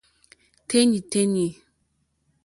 Téɲítéɲí.